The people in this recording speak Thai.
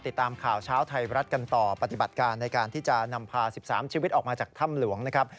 ติดตามข่าวเช้าไทยรัฐกันต่อปฏิบัติการในการที่จะนำพา๑๓ชีวิตออกมาจากถ้ำหลวงนะครับ